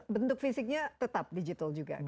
bentuk fisiknya tetap digital juga